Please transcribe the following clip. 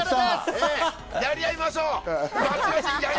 やり合いましょう！